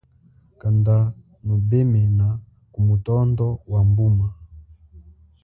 Kanda nubemena ku mutonda wa mbuma.